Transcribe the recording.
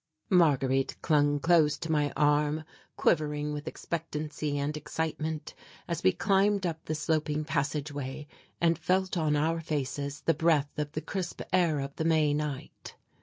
Marguerite clung close to my arm, quivering with expectancy and excitement, as we climbed up the sloping passage way and felt on our faces the breath of the crisp air of the May night.